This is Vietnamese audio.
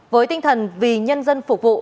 với tinh thần vì nhân dân phục vụ